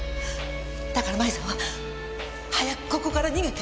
だから麻衣さんは早くここから逃げて！